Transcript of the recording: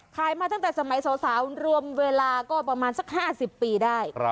มาตั้งแต่สมัยสาวรวมเวลาก็ประมาณสัก๕๐ปีได้